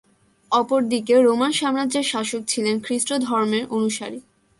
অপরদিকে রোমান সাম্রাজ্যের শাসক ছিলেন খ্রিস্টধর্মের অনুসারী।